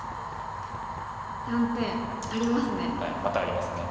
断点ありますね。